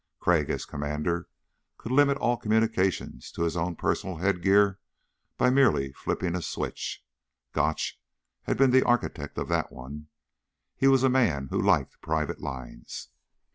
Crag, as Commander, could limit all communications to his own personal headgear by merely flipping a switch. Gotch had been the architect of that one. He was a man who liked private lines.